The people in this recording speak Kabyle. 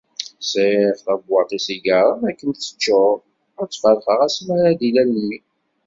Sεiɣ tabewwaṭ isigaṛen akken teččur, ad tt-ferqeɣ asmi ara d-ilal mmi.